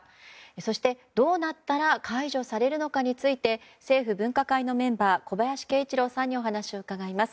そして、どうなったら解除されるのかについて政府分科会のメンバー小林慶一郎さんにお話を伺います。